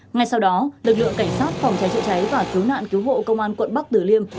ngay sau đó lực lượng cảnh sát phòng cháy chữa cháy và cứu nạn cứu hộ công an quận bắc tử liêm